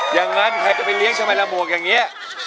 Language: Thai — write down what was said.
อย่างเงใครเป็นไปเลี้ยงใช่มะระบวกอย่างงี้